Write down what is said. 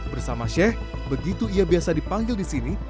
bersama sheikh begitu ia biasa dipanggil di sini